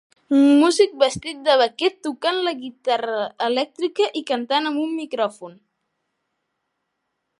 Músic vestit de vaquer tocant la guitarra elèctrica i cantant amb un micròfon.